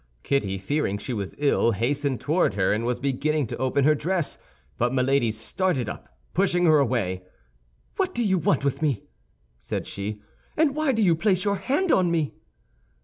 Kitty, fearing she was ill, hastened toward her and was beginning to open her dress; but Milady started up, pushing her away. "What do you want with me?" said she, "and why do you place your hand on me?"